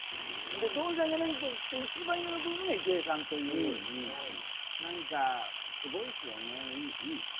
徹さんが何か言って一番喜ぶのが郁恵さんというすごいですよね。